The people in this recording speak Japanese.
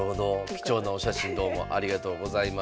貴重なお写真どうもありがとうございました。